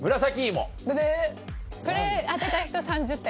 これ当てた人３０点。